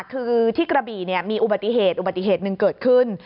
คือที่กระบี่มีอุบัติเหตุอุบัติเหตุหนึ่งเกิดขึ้น